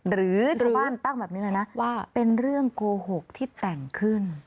หรือชาวบ้านตั้งแบบนี้เลยนะว่าเป็นเรื่องโกหกที่แต่งขึ้น